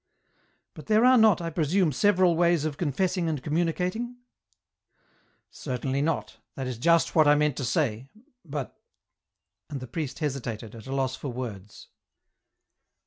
" But there are not, I presume, several ways of confessing and communicating ?" "Certainly not, that is just what 1 meant to say ... but ..." And the priest hesitated, at a loss for words.